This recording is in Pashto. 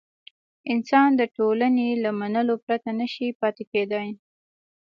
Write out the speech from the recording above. انسان د ټولنې له منلو پرته نه شي پاتې کېدای.